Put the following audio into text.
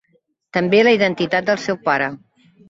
També la identitat del seu pare.